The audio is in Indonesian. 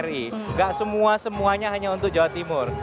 tidak semua semuanya hanya untuk jawa timur